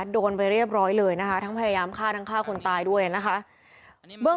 เดี๋ยวเรึกต้องไฟให้นี่